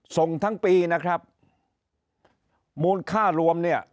ส่งทั้งปีนะครับมูลค่ารวมเนี่ย